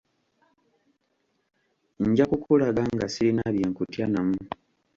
Nja kukulaga nga sirina bye nkutya namu.